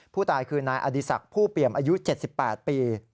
ผู้ตายคือนายอดีศักดิ์ผู้เปี่ยมอายุ๗๘ปี